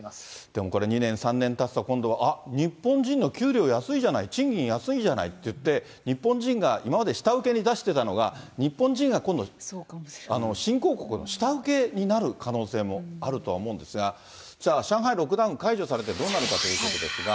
でも、これ、２年、３年たつと今度は、日本人の給料安いじゃない、賃金安いじゃないといって、日本人が今まで下請けに出してたのが、日本人が今度、新興国の下請けになる可能性もあるとは思うんですが、じゃあ、上海ロックダウン解除されてどうなるかということですが。